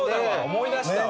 思い出したわ。